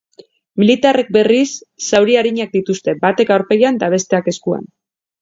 Militarrek, berriz, zauri arinak dituzte, batek aurpegian eta besteak eskuan.